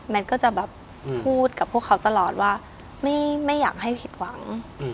ก็จะแบบพูดกับพวกเขาตลอดว่าไม่อยากให้ผิดหวัง